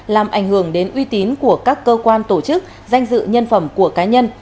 làm ảnh hưởng đến uy tín của các cơ quan tổ chức danh dự nhân phẩm của cá nhân